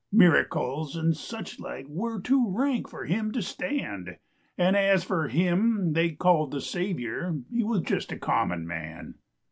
Miracles and such like Were too rank for him to stand, And as for him they called the Savior He was just a common man.